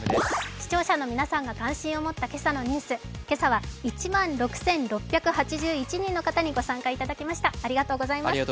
視聴者の皆さんが関心を持った今朝のニュース、今朝は１万６６８１人の方にご参加いただきました、ありがとうございます。